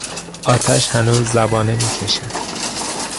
آتش هنوز زبانه میکشد.